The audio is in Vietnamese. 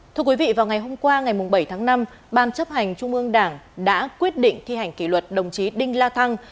thưa quý vị vào ngày hôm qua ngày bảy tháng năm ban chấp hành trung ương đảng đã quyết định thi hành kỷ luật đồng chí đinh la thăng